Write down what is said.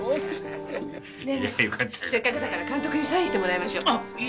〔せっかくだから監督にサインしてもらいましょう〕